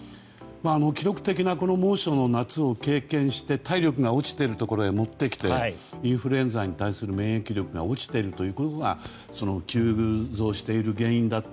記録的な猛暑の夏を経験して体力が落ちているところに持ってきて、インフルエンザに対する免疫力が落ちているということが急増している原因だと。